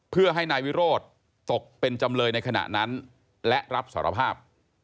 เพื่อให้นายวิโรธตกเป็นจำเลยในขณะนั้นและรับสารภาพ